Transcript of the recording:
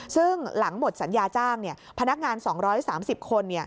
ซึ่งหลังหมดสัญญาจ้างพนักงาน๒๓๐คน